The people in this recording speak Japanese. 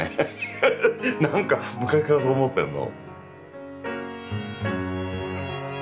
ハハッ何か昔からそう思ってんの。